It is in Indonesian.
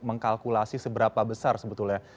mengkalkulasi seberapa besar sebetulnya